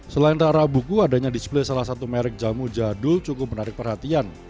selain rara buku adanya display salah satu merek jamu jadul cukup menarik perhatian